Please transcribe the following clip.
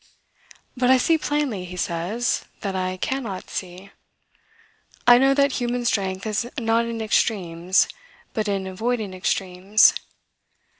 But I see plainly, he says, that I cannot see. I know that human strength is not in extremes, but in avoiding extremes.